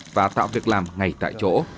và tạo việc làm ngay tại chỗ